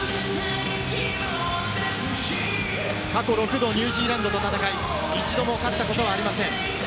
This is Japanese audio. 過去６度ニュージーランドと戦い、一度も勝ったことはありません。